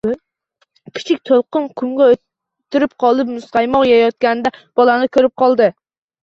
Kichik to‘lqin qumga o‘tirib olib muzqaymoq yeyayotgan bolani ko‘rib qoldi